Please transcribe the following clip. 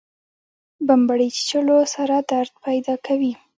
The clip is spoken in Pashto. بمبړې چیچلو سره درد پیدا کوي